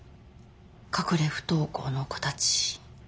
隠れ不登校の子たち。